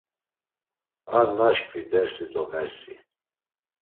Ar naşǩvi dersi do mersi!